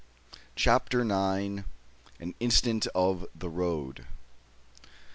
CHAPTER NINE. AN INCIDENT OF THE ROAD.